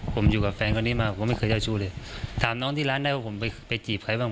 ผมอยู่กับแฟนคนนี้มาผมไม่เคยเจ้าชู้เลยถามน้องที่ร้านได้ว่าผมไปไปจีบใครบ้าง